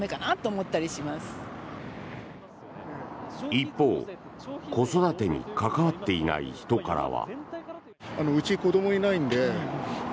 一方、子育てに関わっていない人からは。